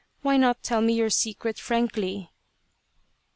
Why not tell me your secret frankly